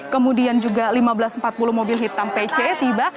kemudian juga lima belas empat puluh mobil hitam pc tiba